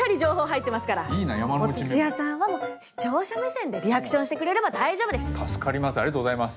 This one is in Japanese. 土屋さんはもう視聴者目線でリアクションしてくれれば大丈夫です。